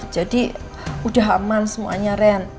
jadi udah aman semuanya ren